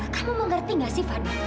kamu mengerti gak sih fanny